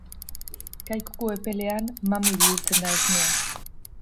Kaikuko epelean mami bihurtzen da esnea.